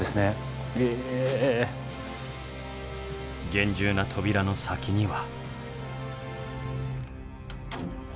厳重な扉の先には。